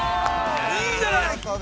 ◆いいじゃない。